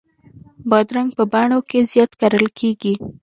بادرنګ په بڼو کې زیات کرل کېږي.